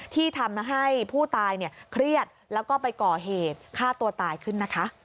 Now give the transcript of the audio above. ที่ทำให้ผู้ตายเครียดแล้วก็ไปก่อเหตุฆ่าตัวตายขึ้นนะคะ